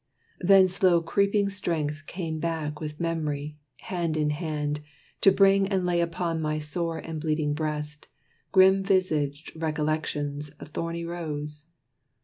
Then slow creeping strength Came back with Mem'ry, hand in hand, to bring And lay upon my sore and bleeding breast, Grim visaged Recollection's thorny rose.